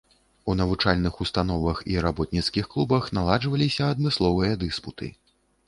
У навучальных установах і работніцкіх клубах наладжваліся адмысловыя дыспуты.